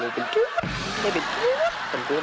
ทุกคนแกเกลียดรึเปล่าแกเกลียดอย่างเนี่ย